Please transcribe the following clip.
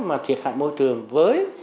mà thiệt hại môi trường với